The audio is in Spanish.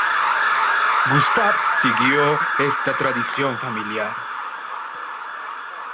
Gustav siguió esta tradición familiar.